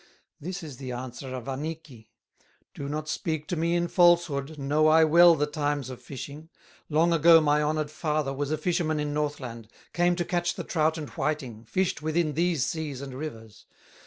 This the answer of Annikki: "Do not speak to me in falsehood, Know I well the times of fishing; Long ago my honored father Was a fisherman in Northland, Came to catch the trout and whiting, Fished within these seas and rivers.